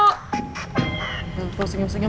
tunggu tunggu tunggu